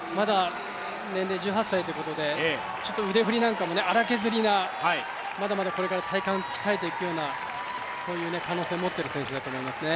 年齢１８歳ということで、腕振りなんかも荒削りなまだまだこれから体幹鍛えていくような可能性を持っている選手ですね。